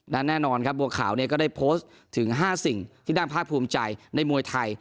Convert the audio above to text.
และแน่นอนครับบัวขาวก็ได้โพสต์ถึง๕สิ่งที่ด้านภาคภูมิใจในมวยไทย